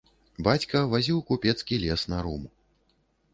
Бацька вазіў купецкі лес на рум.